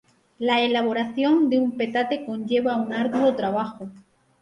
La elaboración de un petate conlleva un arduo trabajo.